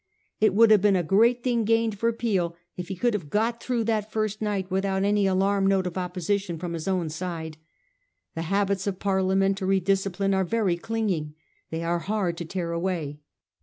It would have been a great thing gained for Peel if he could have got through that first night without any alarm note of opposition from his own side. The habits of Parlia mentary discipline are very clinging. They are hard to tear away.